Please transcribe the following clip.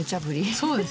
そうです。